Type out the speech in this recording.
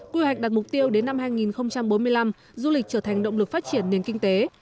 quy hoạch đặt mục tiêu đến năm hai nghìn bốn mươi năm du lịch trở thành động lực phát triển nền kinh tế